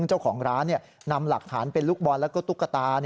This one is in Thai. เจ้าของร้านนำหลักฐานเป็นลูกบอลแล้วก็ตุ๊กตา